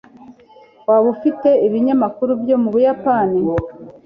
waba ufite ibinyamakuru byo mu buyapani